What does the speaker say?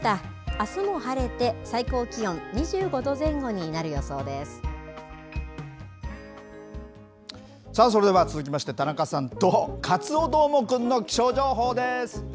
あすも晴れて、最高気温２５度前さあ、それでは続きまして、田中さんと、カツオどーもくんの気象情報です。